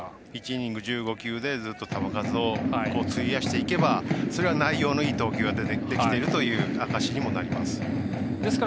１イニング１５球でずっと球数を費やしていけば内容のいい投球ができてきているという証しにもなります。